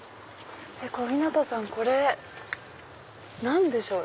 小日向さんこれ何でしょう？